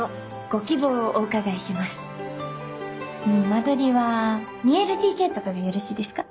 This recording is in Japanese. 間取りは２ＬＤＫとかでよろしいですか？